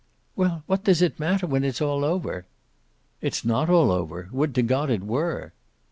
"Well, what does it matter when it's all over?" "It's not all over. Would to God it were!"